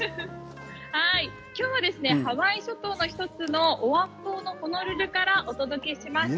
今日はハワイ諸島の１つオアフ島のホノルルからお届けします。